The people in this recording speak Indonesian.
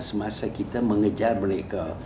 semasa kita mengejar mereka